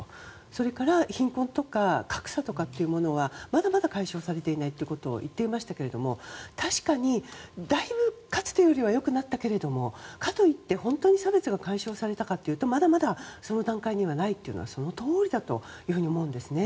それから貧困と格差とかというものはまだまだ解消されていないと言っていましたけど、確かにだいぶかつてよりは良くなったけれどもかといって本当に差別が解消されたかというとまだまだその段階にはないとはそのとおりだと思うんですね。